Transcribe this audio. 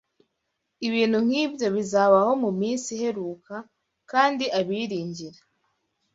Ibintu nk’ibyo bizabaho mu minsi iheruka, kandi abiringira